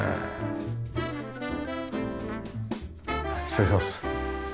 失礼します。